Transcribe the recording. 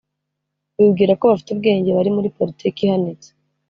bibwira ko bafite ubwenge bari muri politiki ihanitse